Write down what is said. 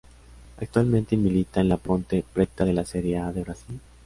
Actualmente milita en la Ponte Preta de la Serie A de Brasil.